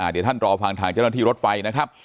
เดี๋ยวท่านตอบฟางทางเจ้าหน้าที่รถไฟ